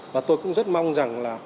và tôi cũng rất mong rằng